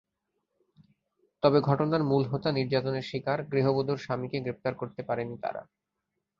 তবে ঘটনার মূল হোতা নির্যাতনের শিকার গৃহবধূর স্বামীকে গ্রেপ্তার করতে পারেনি তারা।